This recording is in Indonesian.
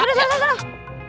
sudah sudah sudah